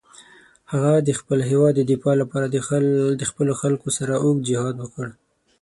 هغه د خپل هېواد د دفاع لپاره د خپلو خلکو سره اوږد جهاد وکړ.